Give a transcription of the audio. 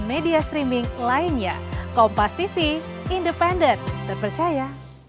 media streaming lainnya kompas tv independen terpercaya